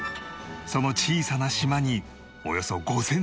その小さな島におよそ５３００人が生活